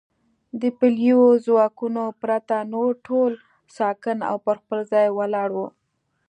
د پلیو ځواکونو پرته نور ټول ساکن او پر خپل ځای ولاړ و.